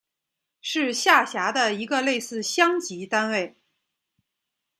是下辖的一个类似乡级单位。